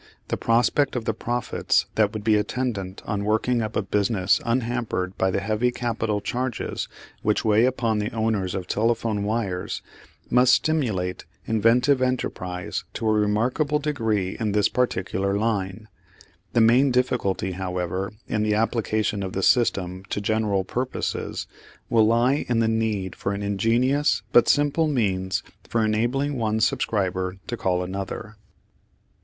The prospect of the profits that would be attendant on working up a business unhampered by the heavy capital charges which weigh upon the owners of telephone wires must stimulate inventive enterprise to a remarkable degree in this particular line. The main difficulty, however, in the application of the system to general purposes will lie in the need for an ingenious but simple means for enabling one subscriber to call another.